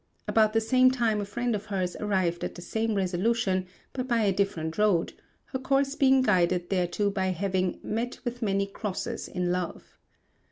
About the same time a friend of hers arrived at the same resolution but by a different road, her course being guided thereto by having "met with many crosses in love."